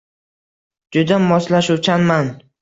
Juda moslashuvchanman.